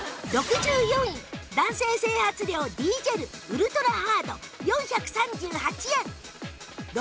６４位男性整髪料 Ｄ ジェルウルトラハード４３８円